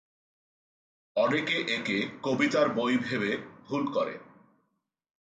অনেকে একে কবিতার বই ভেবে ভুল করে।